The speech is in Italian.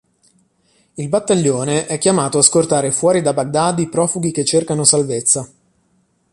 Il battaglione è chiamato a scortare fuori da Baghdad i profughi che cercano salvezza.